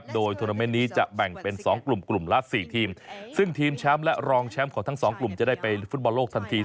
โดยทวนาเมนต์นี้จะแบ่งเป็น๒กลุ่มกลุ่มละสี่ทีมซึ่งทีมแชมป์และรองแชมป์ของทั้งสองกลุ่มจะได้ไปฟุตบอลโลกทันที